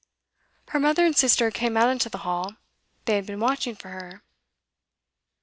Her mother and sister came out into the hall; they had been watching for her.